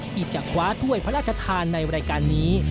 ที่จะคว้าถ้วยพระราชทานในรายการนี้